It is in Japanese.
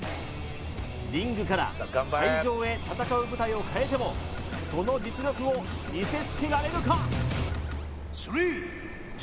リングから海上へ戦う舞台を変えてもその実力を見せつけられるか？